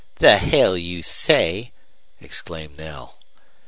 "The hell you say!" exclaimed Knell.